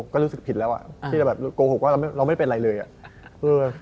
ก็รู้สึกผิดแล้วอ่ะที่จะแบบโกหกว่าเราไม่เป็นไรเลยอ่ะเออ